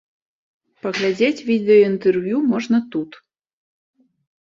Паглядзець відэаінтэрв'ю можна тут.